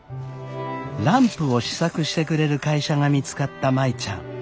ランプを試作してくれる会社が見つかった舞ちゃん。